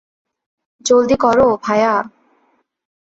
জলদি করো, ভায়া।